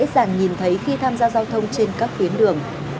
các bậc phụ huynh này dễ dàng nhìn thấy khi tham gia giao thông trên các tuyến đường